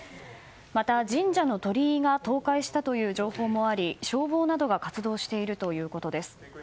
また、神社の鳥居が倒壊したという情報もあり消防などが活動しているということです。